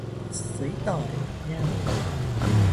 Giấy tờ để tạp nham